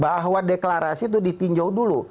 bahwa deklarasi itu ditinjau dulu